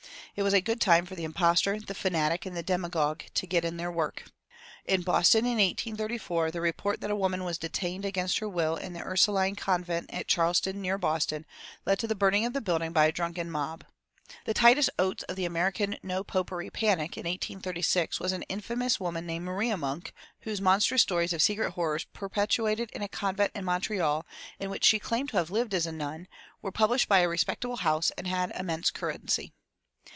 It was a good time for the impostor, the fanatic, and the demagogue to get in their work. In Boston, in 1834, the report that a woman was detained against her will in the Ursuline convent at Charlestown, near Boston, led to the burning of the building by a drunken mob. The Titus Oates of the American no popery panic, in 1836, was an infamous woman named Maria Monk, whose monstrous stories of secret horrors perpetrated in a convent in Montreal, in which she claimed to have lived as a nun, were published by a respectable house and had immense currency.